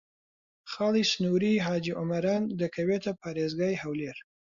خاڵی سنووریی حاجی ئۆمەران دەکەوێتە پارێزگای هەولێر.